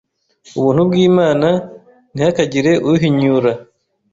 ubuntu bw’Imana, ntihakagire uhinyura